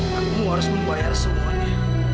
kamu harus membayar semuanya